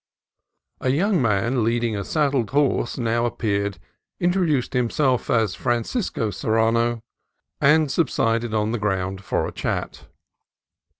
A young man leading a saddled horse now ap peared, introduced himself as Francisco Serrano, and subsided on the ground for a chat.